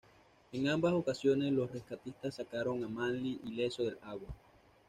En ambas ocasiones, los rescatistas sacaron a Manly ileso del agua.